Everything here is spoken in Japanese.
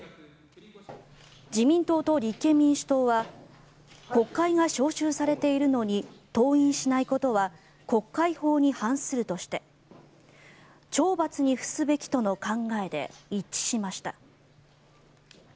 自民党と立憲民主党は国会が召集されているのに登院しないことは国会法に反するとして懲罰にふすべきとの考えで一致しました。